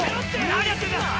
何やってんだ！